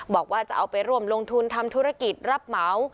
บอกว่าจะเอาไปร่วมลงทุนทำธุรกิจรับเหมา